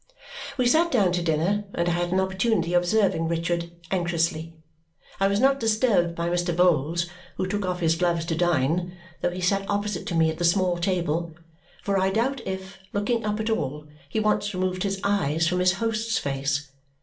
We sat down to dinner, and I had an opportunity of observing Richard, anxiously. I was not disturbed by Mr. Vholes (who took off his gloves to dine), though he sat opposite to me at the small table, for I doubt if, looking up at all, he once removed his eyes from his host's face.